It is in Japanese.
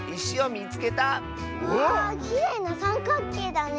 わあきれいなさんかっけいだね。